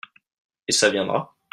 Et ça viendra ?